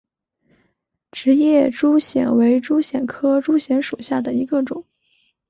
直叶珠藓为珠藓科珠藓属下的一个种。